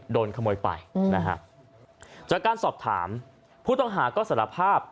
โดนขโมยไปนะฮะจากการสอบถามผู้ต้องหาก็สารภาพ